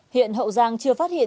hiện hậu giang chưa phát hiện